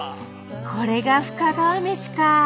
これが深川めしか。